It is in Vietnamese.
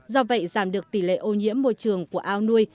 do vậy giảm được tỷ lệ ô nhiễm môi trường của ao nuôi